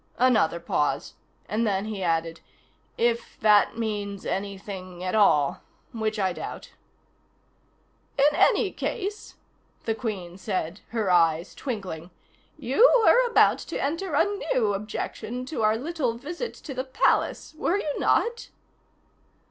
Another pause, and then he added: "If that means anything at all. Which I doubt." "In any case," the Queen said, her eyes twinkling, "you were about to enter a new objection to our little visit to the Palace, were you not?"